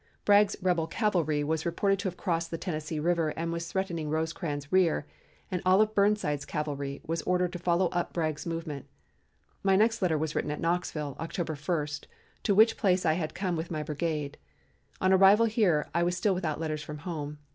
Bragg's rebel cavalry was reported to have crossed the Tennessee River and was threatening Rosecrans's rear, and all of Burnside's cavalry was ordered to follow up Bragg's movement. My next letter was written at Knoxville, October 1, to which place I had come with my brigade. On arrival here I was still without letters from home.